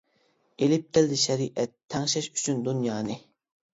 ئىلىپ كەلدى شەرىئەت، تەڭشەش ئۈچۈن دۇنيانى.